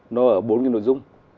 nó ở bốn cái nội dung